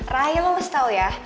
raya lo mesti tau ya